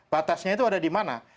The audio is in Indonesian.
batasnya itu ada di mana